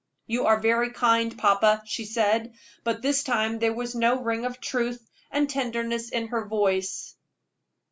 "You are very kind, papa," she said; but this time there was no ring of truth and tenderness in her voice.